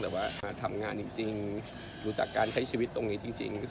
แต่ว่ามาทำงานจริงรู้จักการใช้ชีวิตตรงนี้จริง